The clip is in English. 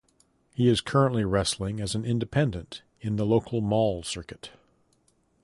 He is currently wrestling as an independent in the local mall circuit.